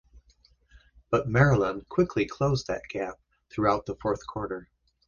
But Maryland quickly closed that gap throughout the fourth quarter.